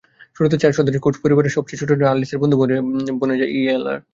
শুরুতে চার সদস্যের কোটস পরিবারের সবচেয়ে ছোটজন আর্লিসের বন্ধু বনে যায় ইয়েলার।